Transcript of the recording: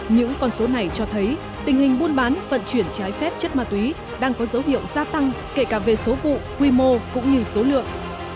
những con số này cho thấy tình hình buôn bán vận chuyển trái phép chất ma túy đang có dấu hiệu gia tăng kể cả về số vụ quy mô cũng như số lượng